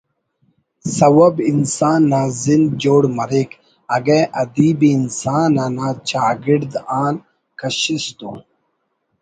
سوب انسان نا زند جوڑ مریک اگہ ادیب ءِ انسان آتا چاگڑد آن کشس تو